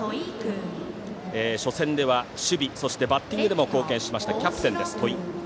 初戦では守備バッティングでも貢献しましたキャプテンの戸井。